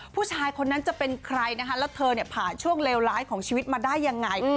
ผู้ชายคนนั้นจะเป็นใครนะคะแล้วเธอเนี่ยผ่านช่วงเลวร้ายของชีวิตมาได้ยังไง